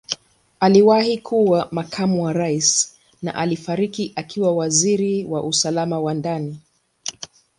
Aliwahi kuwa Makamu wa Rais na alifariki akiwa Waziri wa Usalama wa Ndani.